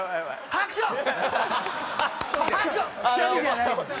ハクション！